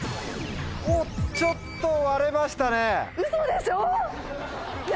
おっちょっと割れましたね。